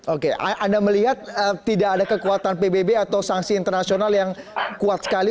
oke anda melihat tidak ada kekuatan pbb atau sanksi internasional yang kuat sekali